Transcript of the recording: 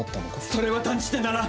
それは断じてならん！